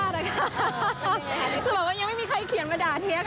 สมมุติว่ายังไม่มีใครเขียนมาด่าเทค